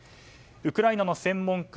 ウクライナの専門家